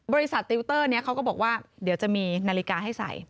สติวเตอร์นี้เขาก็บอกว่าเดี๋ยวจะมีนาฬิกาให้ใส่